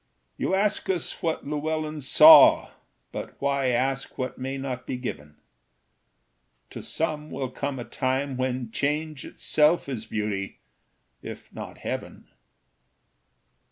You ask us what Llewellyn saw, But why ask what may not be given? To some will come a time when change Itself is beauty, if not heaven.